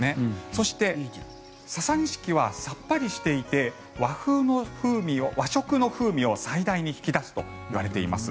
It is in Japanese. そして、ササニシキはさっぱりしていて和食の風味を最大に引き出すといわれています。